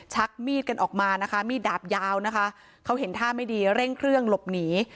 ชักมีดกันออกมานะคะมีดดาบยาวนะคะเขาเห็นท่าไม่ดีเร่งเครื่องหลบหนี